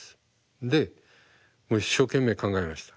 で一生懸命考えました。